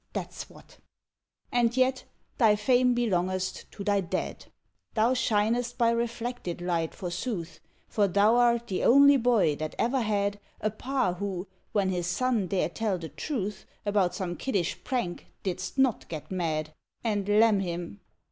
That s what; And yet, thy fame belongest to thy dad ; Thou shinest by reflected light, forsooth, For thou rt the only boy that ever had A pa who, when his son dared tell the truth About some kiddish prank didst not get mad And lamm him!